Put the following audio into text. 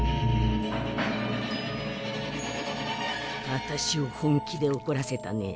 あたしを本気でおこらせたね。